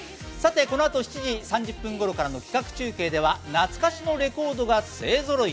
このあと７時３０分ごろからの企画中継では懐かしのレコードが勢ぞろい。